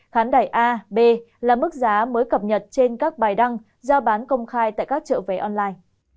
khán đài a b là mức giá mới cập nhật trên các bài đăng giao bán công khai tại các chợ vé online